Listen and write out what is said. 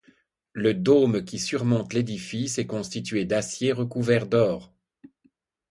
Le dôme qui surmonte l'édifice est constitué d'acier recouvert d'or.